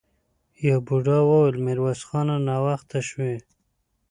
يوه بوډا وويل: ميرويس خانه! ناوخته شوې!